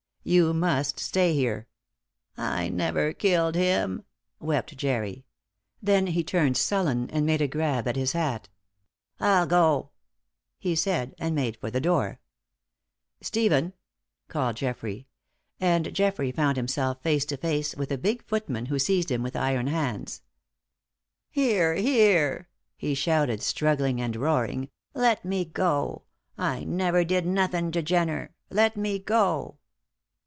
"You must stay here." "I never killed him!" wept Jerry; then he turned sullen and made a grab at his hat. "I'll go," he said, and made for the door. "Stephen," called Geoffrey; and Jerry found himself face to face with a big footman who seized him with iron hands. "Here! here!" he shouted, struggling and roaring. "Let me go; I never did nothing to Jenner. Let me go!"